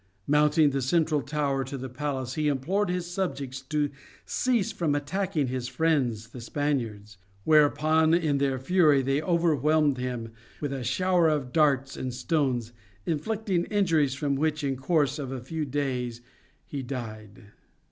Mounting the central tower of the palace he implored his subjects to cease from attacking his friends the Spaniards, whereupon in their fury they overwhelmed him with a shower of darts and stones, inflicting injuries from which in course of a few days he died.